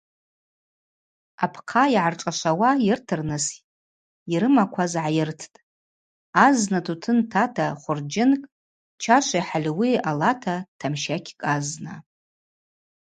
Апхъа йгӏаршӏашвауа йыртырныс йрымакваз гӏайырттӏ: азна тутын тата хвырджьынкӏ, чашви хӏальуи алата тамщакькӏ азна.